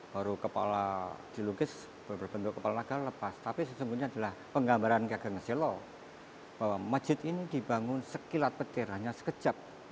baru kepala dilukis berbentuk kepala galak lepas tapi sesungguhnya adalah penggambaran gagang selo bahwa masjid ini dibangun sekilat petir hanya sekejap